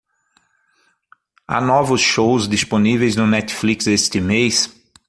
Há novos shows disponíveis no Netflix este mês?